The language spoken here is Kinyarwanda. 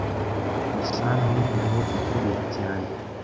Gusa ntuntume gukora ibi cyane